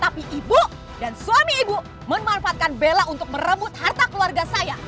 tapi ibu dan suami ibu memanfaatkan bella untuk merebut harta keluarga saya